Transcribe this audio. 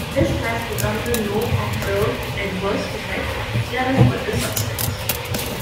This has become the no-observed-adverse-effect level for this substance.